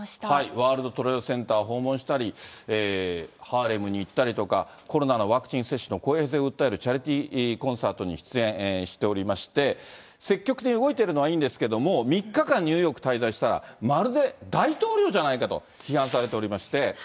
ワールド・トレード・センターを訪問したり、ハーレムに行ったりとか、コロナのワクチン接種の公平性を訴えるチャリティーコンサートに出演しておりまして、積極的に動いてるのはいいんですが、３日間ニューヨーク滞在したら、まるで大統領じゃないかと批判されておりまして。